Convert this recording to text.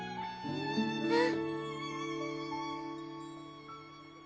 うん。